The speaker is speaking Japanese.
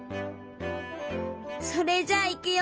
それじゃあいくよ！